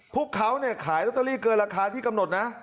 พวกเขาขายลอตเตอรี่เกินราคาที่กำหนดนะ